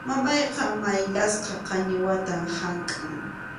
Mamayqa mayllasqa qañiwata hamkʼan.